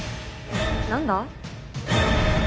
何だ？